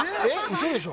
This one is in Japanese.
嘘でしょ？